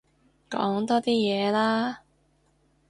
講多啲嘢啦